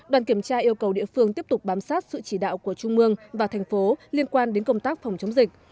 đoàn kiểm tra yêu cầu địa phương tiếp tục bám sát sự chỉ đạo của trung mương và thành phố liên quan đến công tác phòng chống dịch